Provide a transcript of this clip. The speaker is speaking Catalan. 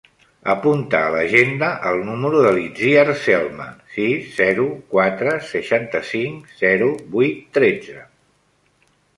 Apunta a l'agenda el número de l'Itziar Selma: sis, zero, quatre, seixanta-cinc, zero, vuit, tretze.